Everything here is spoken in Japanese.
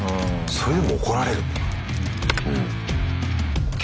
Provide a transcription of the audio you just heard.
それでも怒られるんだ。